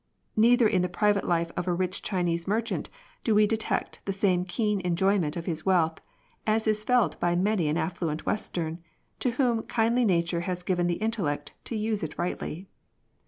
Neither in the private life of a rich Chinese mer chant do we detect the same keen enjoyment of his wealth as is felt by many an affluent western, to whom kindly nature has given the intellect to use it rightly.